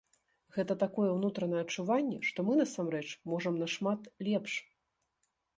Гэта такое ўнутранае адчуванне, што мы насамрэч можам нашмат лепш.